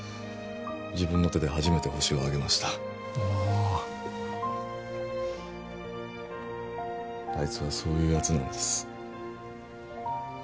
自分の手で初めてホシを挙げましたおおーあいつはそういうやつなんです